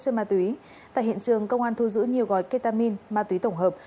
chơi ma túy tại hiện trường công an thu giữ nhiều gói ketamine ma túy tổng hợp